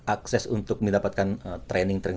akses untuk mendapatkan training training